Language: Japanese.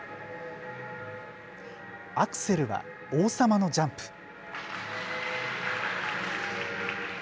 アクセルは王様のジャンプ。